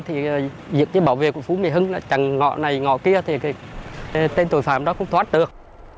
thì việc với bảo vệ của phú mỹ hưng là chẳng ngọ này ngọ kia thì tên tội phạm đó cũng thoát được